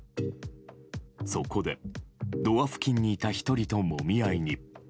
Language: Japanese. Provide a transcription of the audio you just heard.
そこでドア付近にいた１人ともみ合いに。